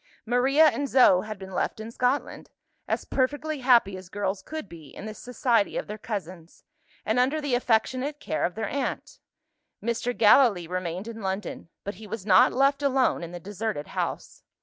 Maria and Zo had been left in Scotland as perfectly happy as girls could be, in the society of their cousins, and under the affectionate care of their aunt. Mr. Gallilee remained in London; but he was not left alone in the deserted house.